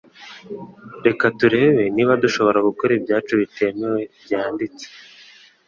reka turebe niba dushobora gukora ibyacu bitemewe byanditse